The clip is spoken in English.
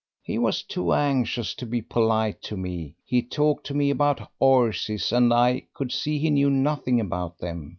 He was too anxious to be polite to me, he talked to me about 'orses, and I could see he knew nothing about them.